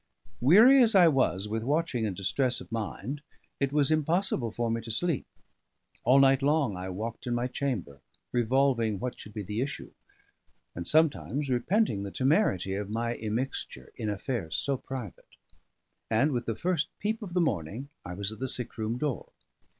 Weary as I was with watching and distress of mind, it was impossible for me to sleep. All night long I walked in my chamber, revolving what should be the issue, and sometimes repenting the temerity of my immixture in affairs so private; and with the first peep of the morning I was at the sick room door.